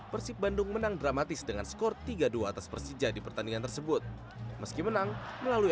persib bandung menang dramatis dengan skor tiga dua atas persija di pertandingan tersebut meski menang melalui